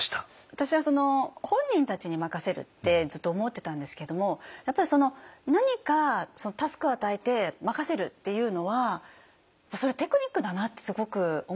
私は本人たちに任せるってずっと思ってたんですけどもやっぱり何かタスクを与えて任せるっていうのはテクニックだなってすごく思いました。